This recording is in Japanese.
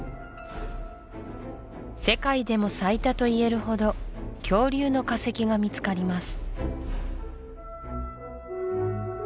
世界でも最多といえるほど恐竜の化石が見つかります